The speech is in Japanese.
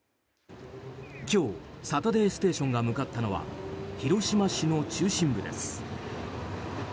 今日「サタデーステーション」が向かったのは広島市の中心部です。